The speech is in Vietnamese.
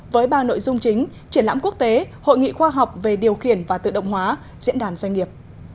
với ba nội dung chính triển lãm quốc tế hội nghị khoa học về điều khiển và tự động hóa diễn đàn doanh nghiệp